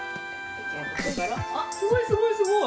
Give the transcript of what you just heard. あすごいすごいすごい！